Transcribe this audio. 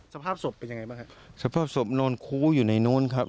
สภาพศพเป็นยังไงบ้างฮะสภาพศพนอนคู้อยู่ในนู้นครับ